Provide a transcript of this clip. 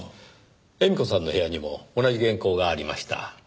絵美子さんの部屋にも同じ原稿がありました。